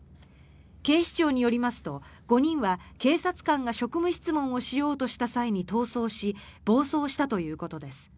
警視庁によりますと５人は、警察官が職務質問をしようとした際に逃走し暴走したということです。